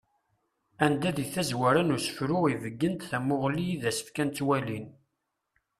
Anda di tazwara n usefru ibeggen-d tamuɣli i d as-fkan twalin.